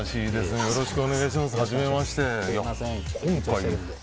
よろしくお願いします。